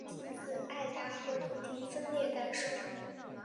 蒙大拿领地系自爱达荷领地分裂诞生。